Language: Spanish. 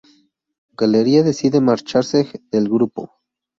Galleria decide marcharse del grupo.